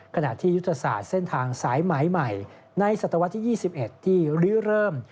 ขณะที่ยุทธศาสตร์เส้นทางสายไหมใหม่ในศตวรรษที่๒๑ที่รื้อเริ่ม